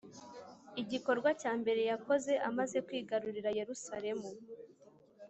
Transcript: igikorwa cya mbere yakoze amaze kwigarurira Yerusalemu